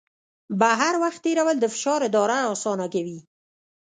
بهر وخت تېرول د فشار اداره اسانه کوي.